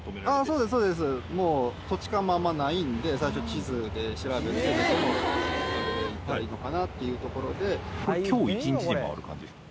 そうですそうですもう土地勘もあんまないんで最初地図で調べてどのあれで行ったらいいのかなっていうところで今日１日で回る感じですか？